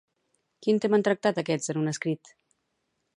Quin tema han tractat aquests en un escrit?